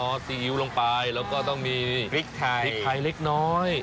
ซีอิ๊วลงไปแล้วก็ต้องมีพริกไทยพริกไทยเล็กน้อย